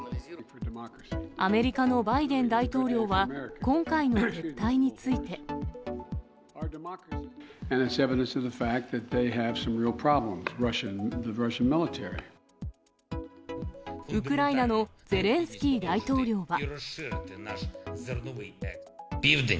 アメリカのバイデン大統領は、今回の撤退について。ウクライナのゼレンスキー大統領は。